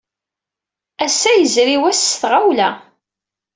Ass-a, yezri wass s tɣawla.